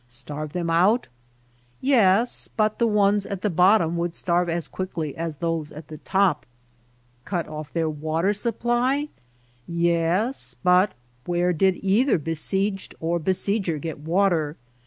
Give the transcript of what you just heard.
Starve them out ? Yes ; but the ones at the bottom would starve as quickly as those at the top. Cut off their water supply ? Yes ; but THE APPKOACH 11 where did either besieged or besieger get water?